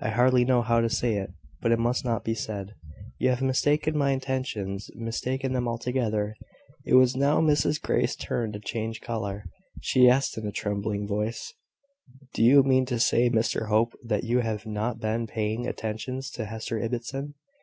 I hardly know how to say it; but it must be said. You have mistaken my intentions, mistaken them altogether." It was now Mrs Grey's turn to change colour. She asked in a trembling voice: "Do you mean to say, Mr Hope, that you have not been paying attentions to Hester Ibbotson?"